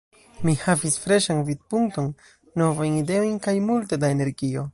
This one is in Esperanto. Mi havis freŝan vidpunkton, novajn ideojn kaj multe da energio.